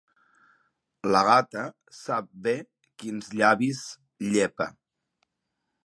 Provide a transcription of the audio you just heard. La gata sap bé quins llavis llepa